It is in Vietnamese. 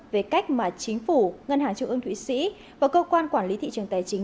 về cách mà chính phủ ngân hàng trung ương thụy sĩ và cơ quan quản lý thị trường tài chính